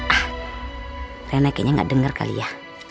ah rena kayaknya gak denger kali ya